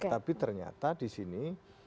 tapi ternyata di sini